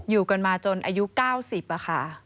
อยู่กันมาจนอายุ๙๐ค่ะ